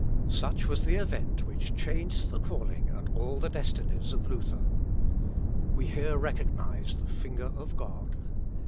Such was the event which changed the calling and all the destinies of Luther. We here recognise the finger of God.